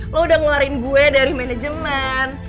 lo udah ngeluarin gue dari manajemen